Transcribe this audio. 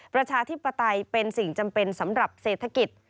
ประชาธิปไตยเป็นสิ่งจำเป็นสำหรับเศรษฐกิจ